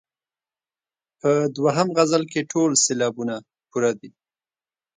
په دوهم غزل کې ټول سېلابونه پوره دي.